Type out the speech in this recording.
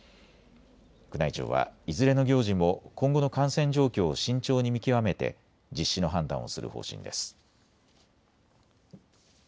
宮内庁はいずれの行事も今後の感染状況を慎重に見極めて実施の判断をする方針です。